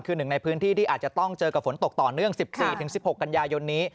คือหนึ่งในพื้นที่ที่อาจจะต้องเจอกับฝนตกต่อเนื่อง๑๔๑๖กันยายนนี้